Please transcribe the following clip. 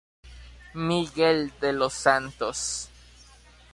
Miguel de los Santos.